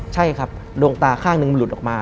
ใช่ครับดวงตาข้างหนึ่งมันหลุดออกมา